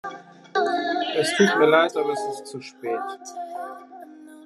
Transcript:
Es tut mir leid, aber es ist zu spät.